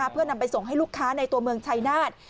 เพื่อนำไปส่งให้ลูกค้าในตัวเมืองชายนาฏ